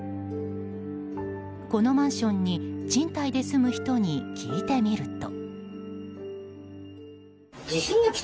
このマンションに賃貸で住む人に聞いてみると。